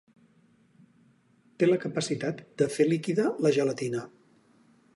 Té la capacitat de fer líquida la gelatina.